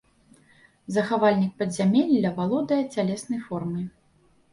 Захавальнік падзямелля валодае цялеснай формай.